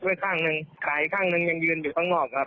ไว้ข้างหนึ่งขาอีกข้างหนึ่งยังยืนอยู่ข้างนอกครับ